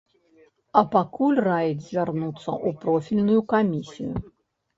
А пакуль раіць звярнуцца ў профільную камісію.